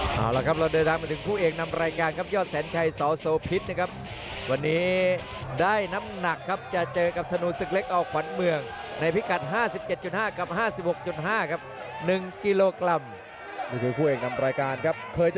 เอาล่ะครับเราเดินทางมาถึงผู้เอกนำรายการครับยอดแสนชัยสโซพิษนะครับ